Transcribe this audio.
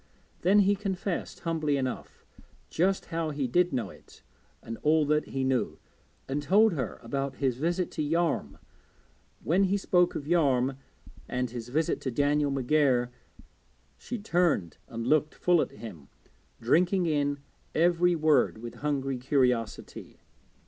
Then he confessed, humbly enough, just how he did know it, and all that he knew, and told her about his visit to Yarm. When he spoke of Yarm and his visit to Daniel McGair she turned and looked full at him, drinking in every word with hungry curiosity.